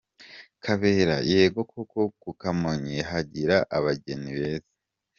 Kabera : Yego koko ku Kamonyi hagira abageni beza .